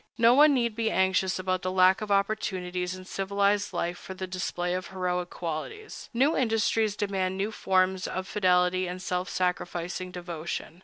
No one need be anxious about the lack of opportunities in civilized life for the display of heroic qualities. New industries demand new forms of fidelity and self sacrificing devotion.